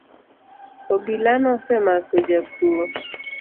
Obila nosemako jakuo